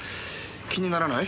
気にならない？